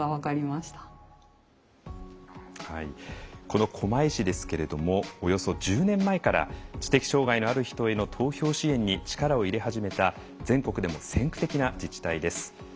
この狛江市ですけれどもおよそ１０年前から知的障害のある人への投票支援に力を入れ始めた全国でも先駆的な自治体です。